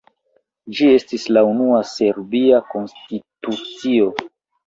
Ĝi estis la unua serbia konstitucio.